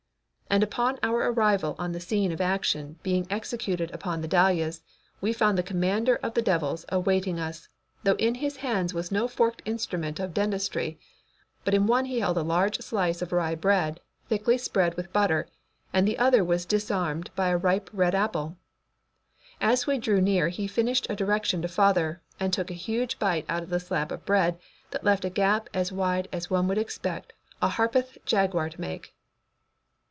And upon our arrival on the scene of action being executed upon the dahlias, we found the commander of the devils awaiting us, though in his hands was no forked instrument of dentistry, but in one he held a large slice of rye bread thickly spread with butter, and the other was disarmed by a ripe red apple. As we drew near he finished a direction to father and took a huge bite out of the slab of bread that left a gap as wide as one would expect a Harpeth jaguar to make.